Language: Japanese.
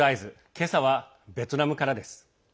今朝はベトナムからです。